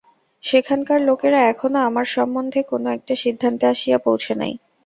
সেখানকার লোকেরা এখনো আমার সম্বন্ধে কোনো একটা সিদ্ধান্তে আসিয়া পৌঁছে নাই।